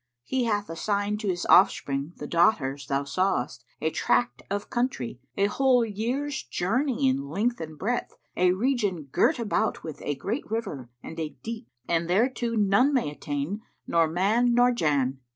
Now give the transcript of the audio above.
He hath assigned to his offspring, the daughters thou sawest, a tract of country, a whole year's journey in length and breadth, a region girt about with a great river and a deep; and thereto none may attain, nor man nor Jann.